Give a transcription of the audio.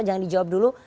jangan di jawab dulu